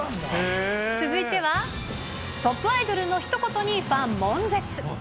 続いては、トップアイドルのひと言に、ファンもん絶。